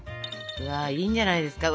いいんじゃないですか。